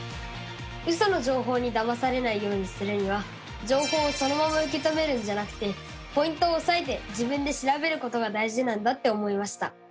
ウソの情報にだまされないようにするには情報をそのまま受け止めるんじゃなくてポイントをおさえて自分で調べることが大事なんだって思いました！